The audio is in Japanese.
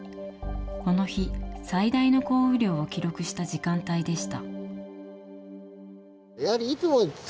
この日、最大の降雨量を記録した時間帯でした。